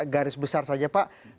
garis besar saja pak